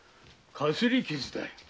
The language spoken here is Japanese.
かすり傷だ。